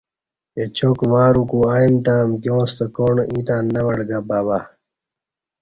اچاک واروکو ائیم تہ امکیاں ستہ کاݨ ییں تہ نہ وڈگہ بہم بہ۔